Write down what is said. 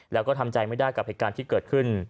แล้วก็ทำใจไม่ได้กับเหตุการณ์ที่เกิดขึ้น